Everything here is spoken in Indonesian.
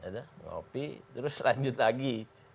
terus lanjut lagi